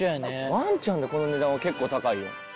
「ワンちゃんでこの値段は結構高いよ」